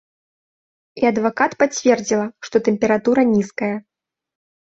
І адвакат пацвердзіла, што тэмпература нізкая.